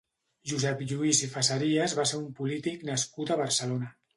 Josep Lluís i Facerias va ser un polític nascut a Barcelona.